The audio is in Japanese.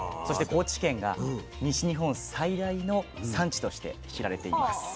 そして高知県が西日本最大の産地として知られています。